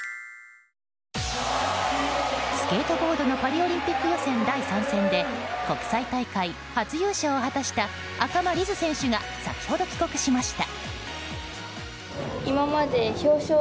スケートボードのパリオリンピック予選、第３戦で国際大会初優勝を果たした赤間凛音選手が先ほど帰国しました。